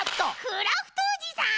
クラフトおじさん！